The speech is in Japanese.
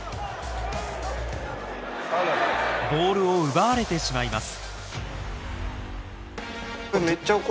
ボールを奪われてしまいます。